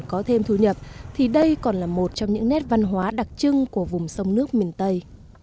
có thêm thu nhập thì đây còn là một trong những nét văn hóa đặc trưng của vùng sông nước miền tây